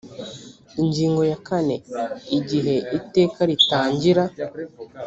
ingingo ya kane igihe iteka ritangira